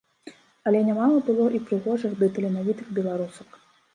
Але нямала было і прыгожых ды таленавітых беларусак.